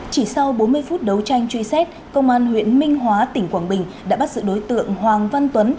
chỉ sau bốn mươi phút đấu tranh truy xét công an huyện minh hóa tỉnh quảng bình đã bắt giữ đối tượng hoàng văn tuấn